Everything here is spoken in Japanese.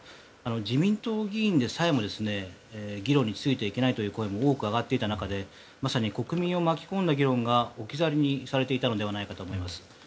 自民党議員でさえも議論についていけないという声も多く上がっていた中でまさに国民を巻き込んだ議論が置き去りにされていたのではないかと思います。